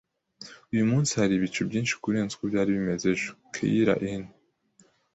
Uyu munsi hari ibicu byinshi kurenza uko byari bimeze ejo. (keira_n)